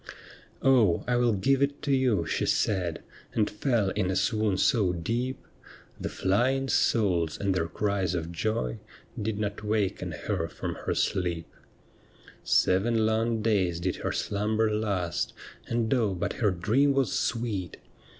' Oh, I will give it to you,' she said, And fell in a swoon so deep. THE WOMAN WHO WENT TO HELL 121 The Hying souls and tlicir cries of joy Did not waken her from her sleep. Seven long days did her slumber last, And oh but her dream was sweet